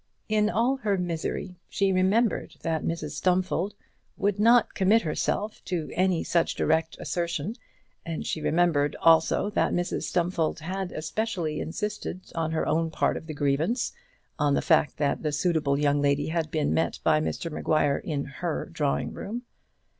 In all her misery she remembered that Mrs Stumfold would not commit herself to any such direct assertion, and she remembered also that Mrs Stumfold had especially insisted on her own part of the grievance, on the fact that the suitable young lady had been met by Mr Maguire in her drawing room.